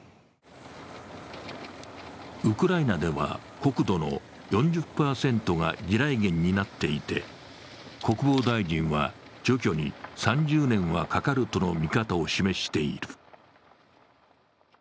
ウクライナでは国土の４０％が地雷原になっていて、国防大臣は、除去に３０年はかかるとの見方を示している。